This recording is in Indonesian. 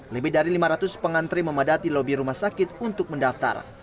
lebih dari lima ratus pengantri memadati lobi rumah sakit untuk mendaftar